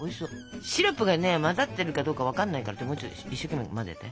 シロップがね混ざってるかどうか分かんないからもうちょっと一生懸命混ぜて。